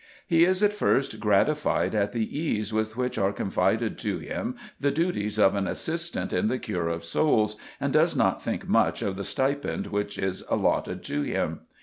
He is at first gratified at the ease with which are confided to him the duties of an assistant in the cure of souls, and does not think much of the stipend which is allotted to him.